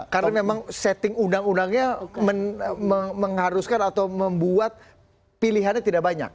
karena memang setting undang undangnya mengharuskan atau membuat pilihannya tidak banyak